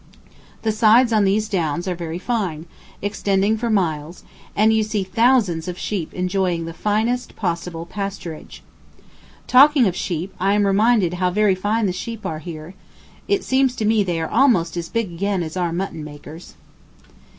The sides on these downs are very fine, extending for miles, and you see thousands of sheep enjoying the finest possible pasturage. Talking of sheep, I am reminded how very fine the sheep are here; it seems to me they are almost as big again as our mutton makers.